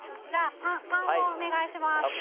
じゃあ３をお願いします。